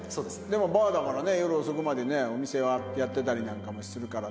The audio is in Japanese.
でもバーだからね夜遅くまでねお店はやってたりなんかもするからね。